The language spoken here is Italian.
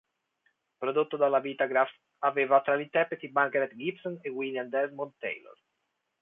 Prodotto dalla Vitagraph, aveva tra gli interpreti Margaret Gibson e William Desmond Taylor.